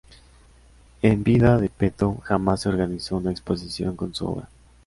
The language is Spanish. En vida de Peto jamás se organizó una exposición con su obra.